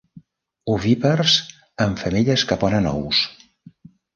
Ovípars, amb femelles que ponen ous.